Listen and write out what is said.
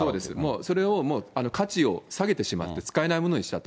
それを、価値を下げてしまって使えないものにしたと。